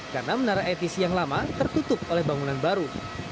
karena menara atc yang lama tertutup oleh bangunan baru